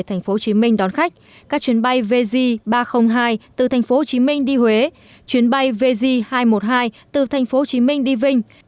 tp hcm đón khách các chuyến bay vz ba trăm linh hai từ tp hcm đi huế chuyến bay vz hai trăm một mươi hai từ tp hcm đi vinh